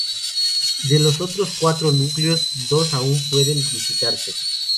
De los otros cuatro núcleos, dos aún pueden visitarse.